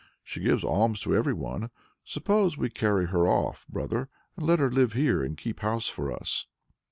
She gives alms to everyone. Suppose we carry her off, brother, and let her live here and keep house for us."